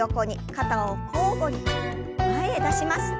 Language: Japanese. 肩を交互に前へ出します。